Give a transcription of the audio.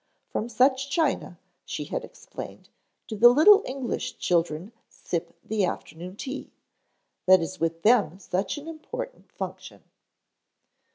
From such china, she had explained, do the little English children sip the afternoon tea, that is with them such an important function.